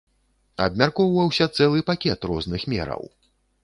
Абмяркоўваўся цэлы пакет розных мераў.